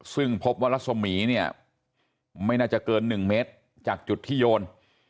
ซึ่งพบว่ารัศมีร์เนี่ยไม่น่าจะเกิน๑เมตรจากจุดที่โยน